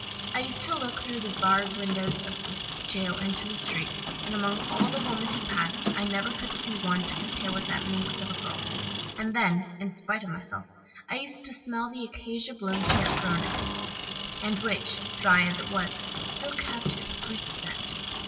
I used to look through the barred windows of the jail into the street, and among all the women who passed I never could see one to compare with that minx of a girl and then, in spite of myself, I used to smell the acacia blossom she had thrown at me, and which, dry as it was, still kept its sweet scent.